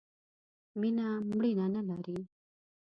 مینه ، مړینه نه لري.